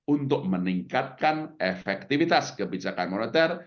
untuk meningkatkan efektivitas kebijakan moneter